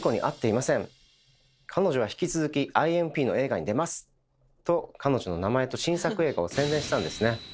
「彼女は引き続きＩＭＰの映画に出ます」と彼女の名前と新作映画を宣伝したんですね。